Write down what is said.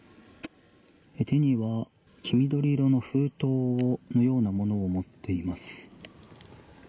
手には黄緑色の封筒のようなものを持っています。